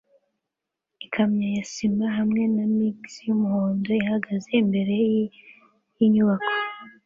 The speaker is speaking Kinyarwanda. Ikamyo ya sima hamwe na mixer yumuhondo ihagaze imbere yinyubako